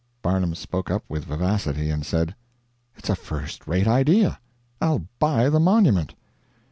Barnum spoke up with vivacity and said: "It's a first rate idea. I'll buy the Monument."